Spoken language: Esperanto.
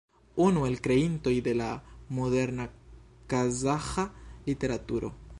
Unu el kreintoj de la moderna kazaĥa literaturo.